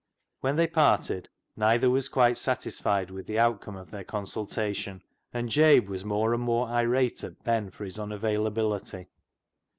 When they parted neither was quite satisfied with the outcome of their consultation, and Jabe was more and more irate at Ben for his unavailability.